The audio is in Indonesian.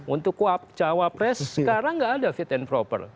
untuk cawapres sekarang nggak ada fit and proper